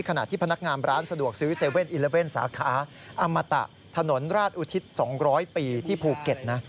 ขณะที่พนักงานร้านสะดวกซื้อ๗๑๑สาขาอมตะถนนราชอุทิศ๒๐๐ปีที่ภูเก็ตนะ